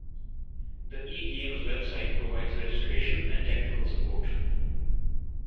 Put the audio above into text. The eGames website provides registration and technical support.